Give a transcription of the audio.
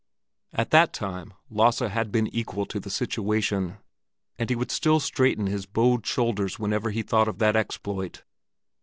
At that time Lasse had been equal to the situation, and he would still straighten his bowed shoulders whenever he thought of that exploit.